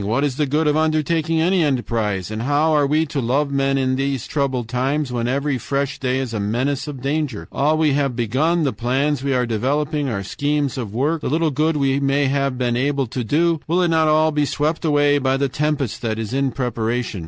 What is the good of undertaking any enterprise? And how are we to love men in these troubled times when every fresh day is a menace of danger?... All we have begun, the plans we are developing, our schemes of work, the little good we may have been able to do, will it not all be swept away by the tempest that is in preparation?...